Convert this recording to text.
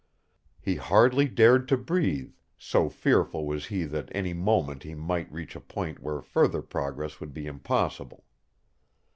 He hardly dared to breathe, so fearful was he that any moment he might reach a point where further progress would be impossible.